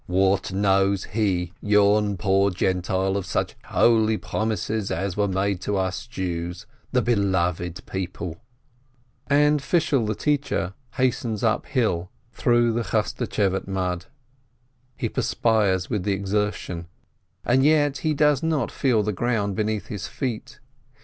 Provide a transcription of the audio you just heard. "What knows he, yon poor Gentile, of such holy promises as were made to us Jews, the beloved people !" And Fishel the teacher hastens uphill, through the Chaschtschevate mud. He perspires with the exertion, and yet he does not feel the ground beneath his feet.